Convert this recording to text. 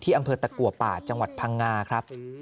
อำเภอตะกัวป่าจังหวัดพังงาครับ